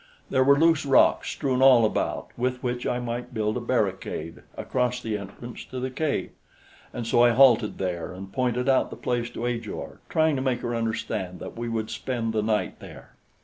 There were loose rocks strewn all about with which I might build a barricade across the entrance to the cave, and so I halted there and pointed out the place to Ajor, trying to make her understand that we would spend the night there.